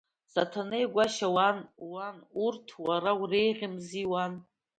Саҭанеи-Гәашьа уан, уан, урҭ уара уреиӷьми, уан!